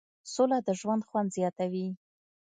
سوله د ژوند خوند زیاتوي.